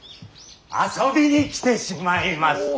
遊びに来てしまいました。